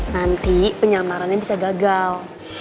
nanti penyamarannya bisa gagal